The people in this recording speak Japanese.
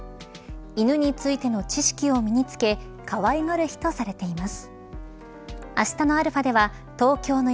犬についての知識を身に付けかわいがる日とされています。